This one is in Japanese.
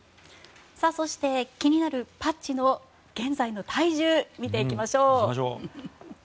そして、気になるパッチの現在の体重見ていきましょう。